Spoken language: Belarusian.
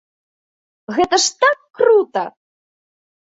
Гэта ж так крута!